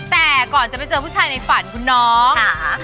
แต่ก่อนจะไปเจอผู้ชายในฝันคุณน้องค่ะ